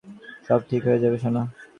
সব ঠিক হয়ে যাবে, সোনা।